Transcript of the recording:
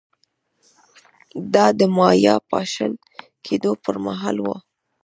دا د مایا پاشل کېدو پرمهال و